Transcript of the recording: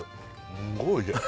すんごいおいしい